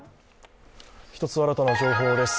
１つ新たな情報です。